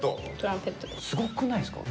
すごくないですか？